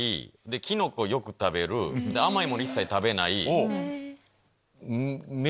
キノコよく食べる甘いもの一切食べない。